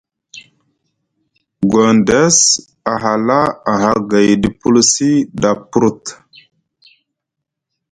Gondes a hala aha gayɗi pulsi ɗa purut.